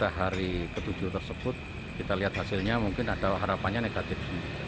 setelah hari ketujuh tersebut kita lihat hasilnya mungkin ada harapannya negatif